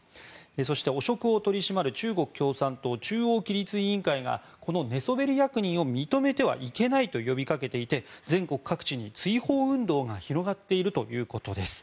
そして、汚職を取り締まる中国共産党中央規律委員会がこの寝そべり役人を認めてはいけないと呼びかけていて全国各地に追放運動が広がっているということです。